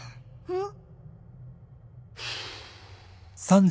うん。